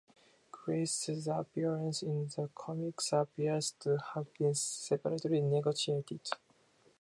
Grace's appearance in the comics appears to have been separately negotiated.